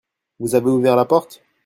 Vous avez ouvert la porte ?